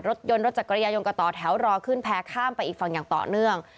รถยนต์รถจักรยายนก็ต่อแถวรอขึ้นแพร่ข้ามไปอีกฝั่งอย่างต่อเนื่อง